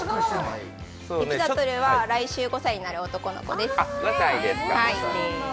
ピザトルは来週５歳になる男の子です。